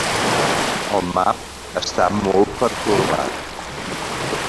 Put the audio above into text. El Mab està molt pertorbat.